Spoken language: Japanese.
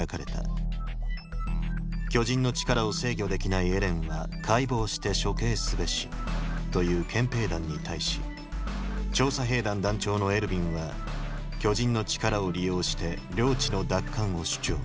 巨人の力を制御できないエレンは解剖して処刑すべしという憲兵団に対し調査兵団団長のエルヴィンは巨人の力を利用して領地の奪還を主張。